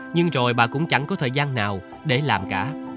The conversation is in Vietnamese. nhưng rồi bà cũng chẳng có thời gian nào để làm cả